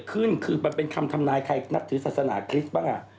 คือมันเป็นคำธรรมนายใครนักถือศาสนาคริสต์บ้าง